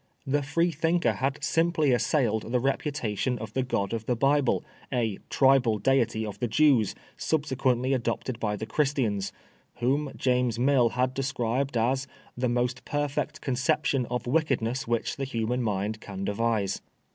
The Freethinker had simply assailed ttie reputation of the god of the Bible, a tribal deity of the Jews, subsequently adopted by the Christians, whom James Mill had described as " the most perfect conception of wicked ness which the human mind can devise."